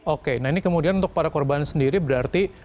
oke nah ini kemudian untuk para korban sendiri berarti